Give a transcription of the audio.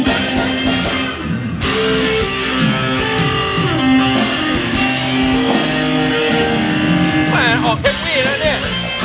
อ้าวออกเทปนี้แล้วเนี่ย